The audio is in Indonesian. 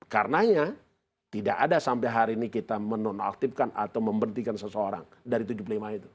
karenanya tidak ada sampai hari ini kita menonaktifkan atau memberhentikan seseorang dari tujuh puluh lima itu